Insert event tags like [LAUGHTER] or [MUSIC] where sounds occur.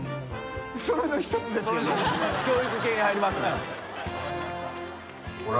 それの１つですよね [LAUGHS]